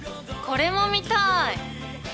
これも見たい。